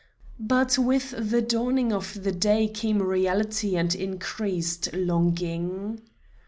But with the dawning of the day came reality and increased longing.